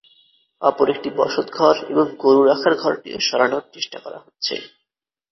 অপর একটি বসতঘর এবং গরু রাখার ঘরটিও সরানোর চেষ্টা করা হচ্ছে।